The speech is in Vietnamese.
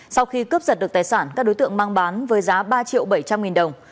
sau khi cướp giật được tài sản các đối tượng mang bán với giá ba triệu bảy trăm linh nghìn đồng